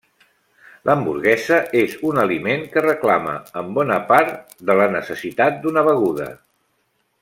L'hamburguesa és un aliment que reclama en bona part de la necessitat d'una beguda.